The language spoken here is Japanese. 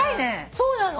そうなの。